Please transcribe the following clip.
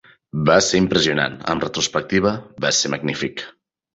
Va ser impressionant; amb retrospectiva, va ser magnífic.